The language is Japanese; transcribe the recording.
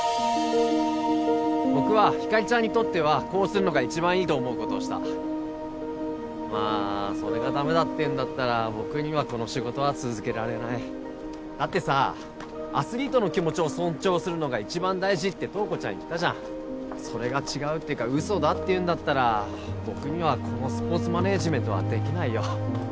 僕はひかりちゃんにとってはこうするのが一番いいと思うことをしたまあそれがダメだっていうんだったら僕にはこの仕事は続けられないだってさアスリートの気持ちを尊重するのが一番大事って塔子ちゃん言ったじゃんそれが違うっていうかウソだっていうんだったら僕にはこのスポーツマネージメントはできないよ